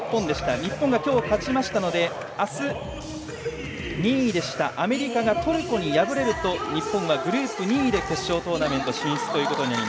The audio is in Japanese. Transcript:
日本が今日、勝ちましたのであす、２位でしたアメリカがトルコに敗れると日本がグループ２位で決勝トーナメント進出。